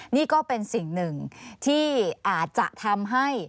นี่ก็เป็นสิ่งหนึ่งที่อาจจะทำให้